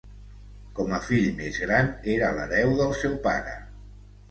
Com a fill més gran, era l'hereu del seu pare.